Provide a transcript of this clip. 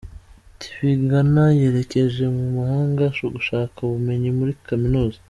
Tibingana yerekeje Mumahanga gushaka Ubumenyi Muri Kaminuza